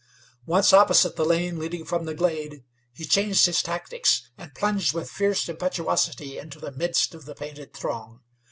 Once opposite the lane leading from the glade he changed his tactics, and plunged with fierce impetuosity into the midst of the painted throng.